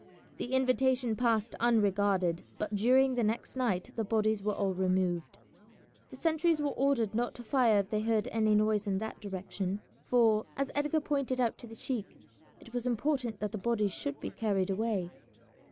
The invitation passed unregarded, but during the next night the bodies were all removed. The sentries were ordered not to fire if they heard any noise in that direction, for, as Edgar pointed out to the sheik, it was important that the bodies should be carried away.